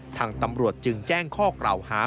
ทางตำรวจจึงแจ้งข้อกล่าวหา